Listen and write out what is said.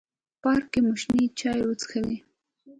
پارک کې مو شنې چای وڅښلې.